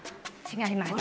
違います。